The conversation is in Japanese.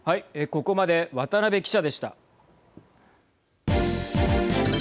ここまで渡辺記者でした。